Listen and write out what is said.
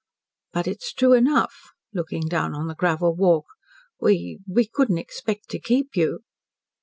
"But it's true enough," looking down on the gravel walk, "we we couldn't expect to keep you."